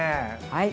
はい。